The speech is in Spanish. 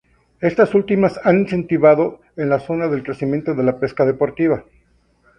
Estas últimas han incentivado en la zona el crecimiento de la pesca deportiva.